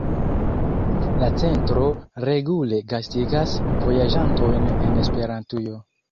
La centro regule gastigas vojaĝantojn en Esperantujo.